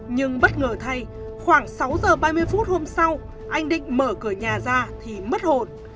nhưng bất ngờ thay khoảng sáu giờ ba mươi phút hôm sau anh định mở cửa nhà ra thì mất hột